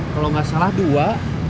kalau gak salah dua